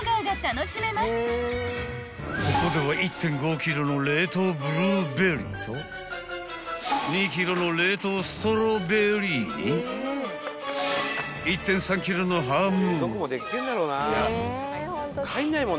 ［ここでは１．５ｋｇの冷凍ブルーベリーと２ｋｇの冷凍ストロベリーに１．３ｋｇのハム］